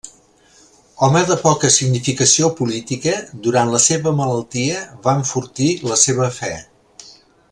Home de poca significació política, durant la seva malaltia va enfortir la seva fe.